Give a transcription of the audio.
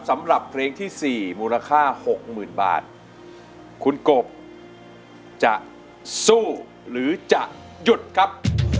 สำหรับเพลงที่สี่มูลค่าหกหมื่นบาทคุณกบจะสู้หรือจะหยุดครับ